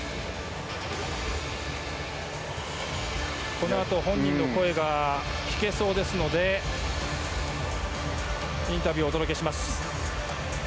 このあと本人の声が聞けそうですのでインタビューをお届けします。